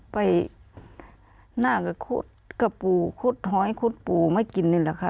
ไปหน้ากับขุดกะปูขุดหอยขุดปูไม่กินเลยค่ะ